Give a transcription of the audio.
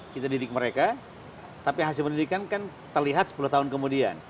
kita didik mereka tapi hasil pendidikan kan terlihat sepuluh tahun kemudian